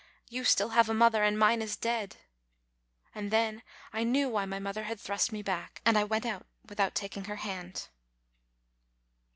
You still have a mother, and mine is dead!" And then I knew why my mother had thrust me back, and I went out without taking her hand.